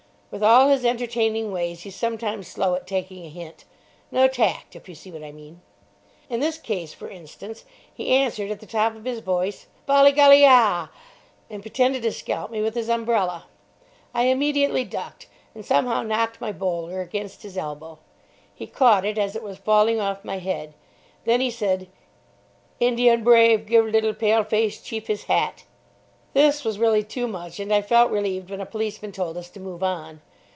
With all his entertaining ways he's sometimes slow at taking a hint. No tact, if you see what I mean. In this case, for instance, he answered at the top of his voice: "Bolly Golly, yah!" and pretended to scalp me with his umbrella. I immediately ducked, and somehow knocked my bowler against his elbow. He caught it as it was falling off my head. Then he said, "Indian brave give little pale face chief his hat." This was really too much, and I felt relieved when a policeman told us to move on.